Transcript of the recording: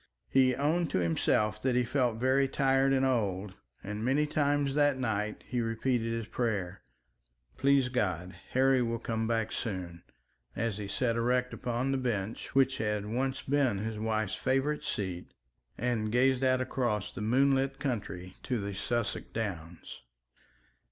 He owned to himself that he felt very tired and old, and many times that night he repeated his prayer, "Please God, Harry will come back soon," as he sat erect upon the bench which had once been his wife's favourite seat, and gazed out across the moonlit country to the Sussex Downs.